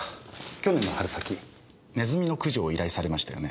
去年の春先ネズミの駆除を依頼されましたよね？